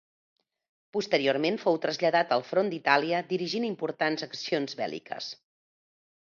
Posteriorment fou traslladat al front d'Itàlia dirigint importants accions bèl·liques.